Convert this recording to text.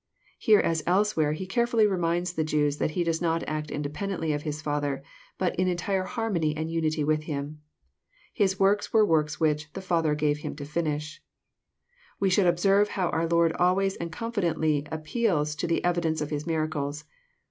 Here, as elsewhere, He carefblly reminds the Jews that He does not act independently of His Father, but in entire harmony and unity with Him. His works were works which the Father gave Him to finish." We should observe how our Lord always and confidently ap peals to the evidence of His miracles.